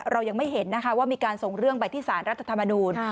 เรายังไม่เห็นนะคะว่ามีการส่งเรื่องไปที่สารรัฐธรรมนูล